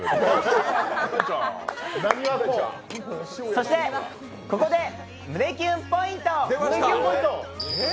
そして、ここで胸キュンポイント！